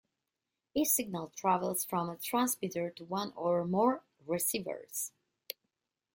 Each signal travels from a transmitter to one or more receivers.